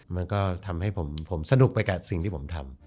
มันก็ทำให้ผมสนุกไปกับสิ่งที่ผมทำ